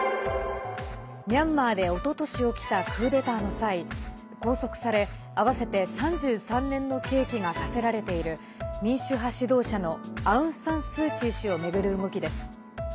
ミャンマーで、おととし起きたクーデターの際、拘束され合わせて３３年の刑期が科せられている民主派指導者のアウン・サン・スー・チー氏を巡る動きです。